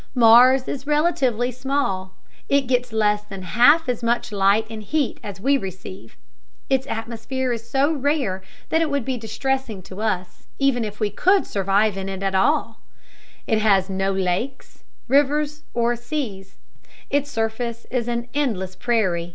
Mars is relatively small; it gets less than half as much light and heat as we receive; its atmosphere is so rare that it would be distressing to us, even if we could survive in it at all; it has no lakes, rivers, or seas; its surface is an endless prairie.